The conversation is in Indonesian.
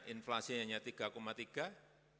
inflasinya hanya tiga tiga